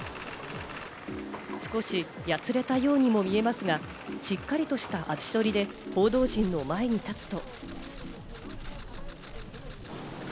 少しやつれたようにも見えますが、しっかりとした足取りで報道陣の前に立つと。